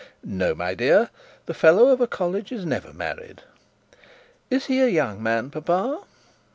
'No, my dear; the fellow of a college is never married.' 'Is he a young man, papa?'